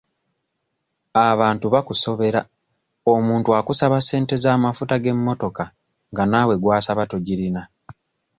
Abantu bakusobera omuntu akusaba ssente z'amafuta g'emmotoka nga naawe gw'asaba togirina.